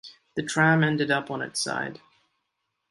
The tram ended up on its side.